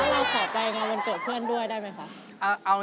แล้วถ้าสมมติว่าเราขอไปงานวันเกิดเพื่อนด้วยได้ไหมคะ